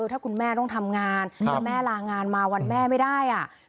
ถ้าคุณแม่ต้องทำงานแล้วแม่ลางานมาวันแม่ไม่ได้อ่ะ